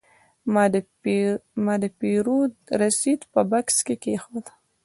ما د پیرود رسید په بکس کې کېښود.